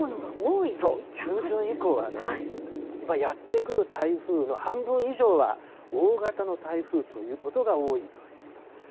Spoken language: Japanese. そう、中旬以降はね、やって来る台風の半分以上は大型の台風ということが多いということ。